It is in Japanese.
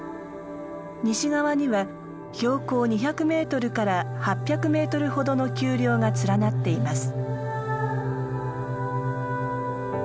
西側には標高２００メートルから８００メートルほどの丘陵が連なっています。